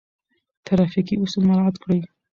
ترافيکي اصول مراعات کړئ.